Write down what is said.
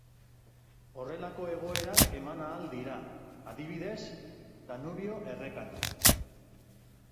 Horrelako egoerak eman ahal dira, adibidez, Danubio errekan.